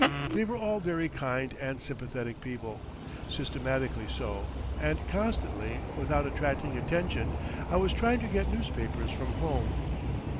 They were all very kind and sympathetic people, systematically so. And constantly, without attracting attention, I was trying to get newspapers from home.